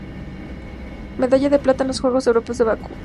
Medalla de plata en los Juegos Europeos de Bakú.